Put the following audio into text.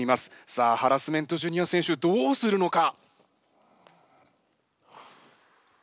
さあハラスメントＪｒ．選手どうするのか？